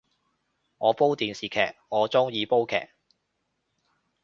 我煲電視劇，我鍾意煲劇